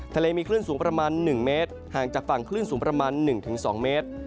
ทะเลมีคลื่นสูงประมาณ๑เมตรห่างจากฝั่งคลื่นสูงประมาณ๑๒เมตร